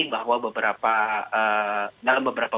bahwa dalam beberapa